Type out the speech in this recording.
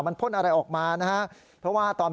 มันพ่นอะไรออกมา